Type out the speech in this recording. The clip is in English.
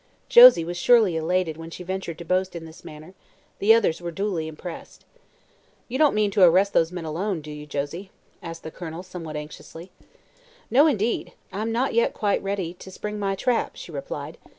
Josie was surely elated when she ventured to boast in this manner. The others were duly impressed. "You don't mean to arrest those men alone, do you, Josie?" asked the Colonel somewhat anxiously. "No, indeed. I'm not yet quite ready to spring my trap," she replied.